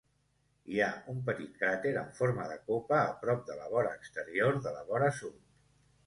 Hi ha un petit cràter en forma de copa a prop de la vora exterior de la vora sud.